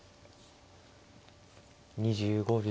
２５秒。